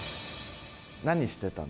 何してたの？